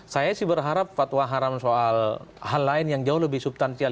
saya sih berharap fatwa haram soal hal lain yang jauh lebih subtansial